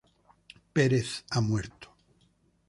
Walsh ha muerto.